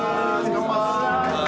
乾杯！